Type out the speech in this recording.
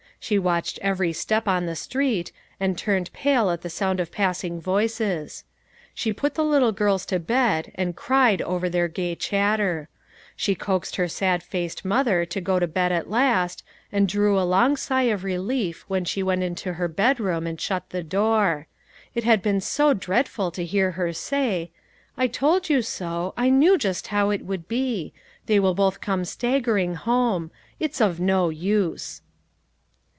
She watched every step on the street, and turned pale at the sound of pass ing voices. She put the little girls to bed, and cried over their gay chatter. She coaxed her 188 LITTLE FISHERS: AND THEIB NETS. sad faced mother to go to bed at last, and drew a long sigh of relief when she went into her bed room and shut the door. It had been so dread ful to hear her say: "I told you so; I knew just how it would be. They will both come staggering home. It's of no use."